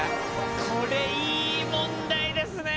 これいい問題ですね。